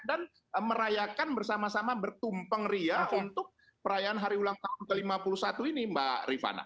merayakan bersama sama bertumpeng riang untuk perayaan hari ulang tahun ke lima puluh satu ini mbak rifana